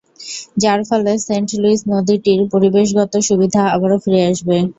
যার ফলে Saint Louis নদীটির পরিবেশগত সুবিধা আবারও ফিরে আসবে।